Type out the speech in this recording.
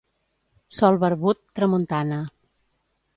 Sol barbut, tramuntana.